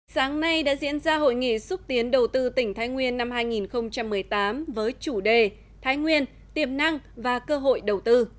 sáng nay đã diễn ra hội nghị xúc tiến đầu tư tỉnh thái nguyên năm hai nghìn một mươi tám với chủ đề thái nguyên tiềm năng và cơ hội đầu tư